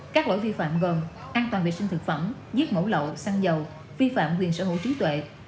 các lỗi vi phạm gồm an toàn vệ sinh thực phẩm giết mổ lậu xăng dầu vi phạm quyền sở hữu trí tuệ